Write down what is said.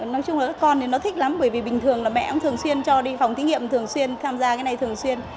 nói chung là các con thì nó thích lắm bởi vì bình thường là mẹ cũng thường xuyên cho đi phòng thí nghiệm thường xuyên tham gia cái này thường xuyên